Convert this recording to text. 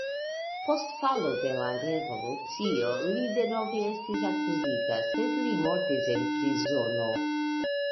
Post falo de la revolucio li denove estis akuzita, sed li mortis en prizono.